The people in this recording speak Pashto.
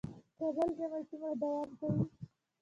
د کابل ژمی څومره دوام کوي؟